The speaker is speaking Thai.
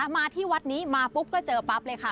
มาที่วัดนี้มาปุ๊บก็เจอปั๊บเลยค่ะ